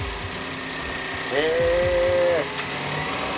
へえ！